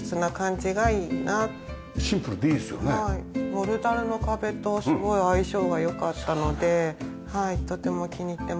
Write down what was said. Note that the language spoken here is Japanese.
モルタルの壁とすごい相性が良かったのでとても気に入ってます。